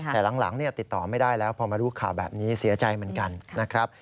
แต่หลังติดต่อไม่ได้แล้วพอมารู้ข่าวแบบนี้เสียใจเหมือนกันนะครับ